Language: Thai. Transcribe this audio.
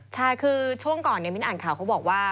ใช่คือช่วงก่อนมิ้นอ่านข่าวเขาบอกว่า